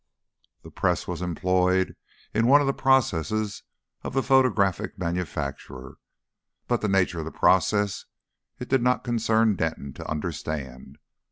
The press was employed in one of the processes of the photographic manufacture, but the nature of the process it did not concern Denton to understand.